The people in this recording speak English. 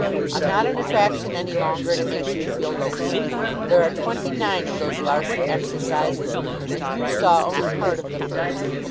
I'm not an attraction any longer and it makes me feel lonesome. There are twenty nine of those Larsen Exercises and you saw only part of the first.